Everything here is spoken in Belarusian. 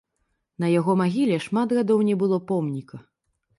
На яго магіле шмат гадоў не было помніка.